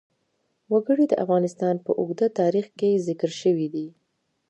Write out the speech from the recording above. وګړي د افغانستان په اوږده تاریخ کې ذکر شوی دی.